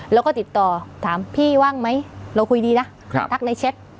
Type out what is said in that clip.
แล้วก็ติดต่อถามพี่ว่างไหมเราคุยดีนะทักในแชท